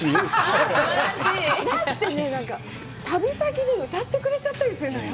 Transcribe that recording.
だってね、旅先で歌ってくれちゃったりするのよ！